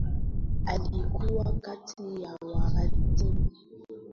Alikuwa kati ya waratibu walioandaa mkutano wa harakati za PanAfrican mjini Manchester tarehe